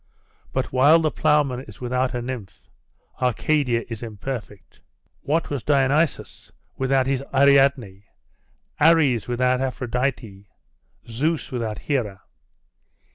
But while the ploughman is without a nymph, Arcadia is imperfect. What were Dionusos without his Ariadne, Ares without Aphrodite, Zeus without Hera?